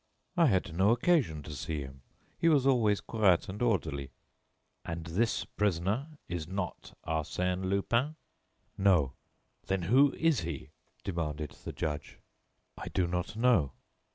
"I had no occasion to see him. He was always quiet and orderly." "And this prisoner is not Arsène Lupin?" "No." "Then who is he?" demanded the judge. "I do not know."